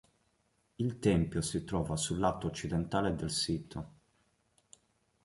Il tempio si trova sul lato occidentale del sito.